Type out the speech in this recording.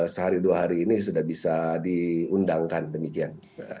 sehari dua hari ini sudah bisa diundangkan demikian